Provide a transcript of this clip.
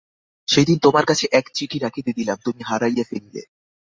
সেদিন তোমার কাছে এক চিঠি রাখিতে দিলাম, তুমি হারাইয়া ফেলিলে।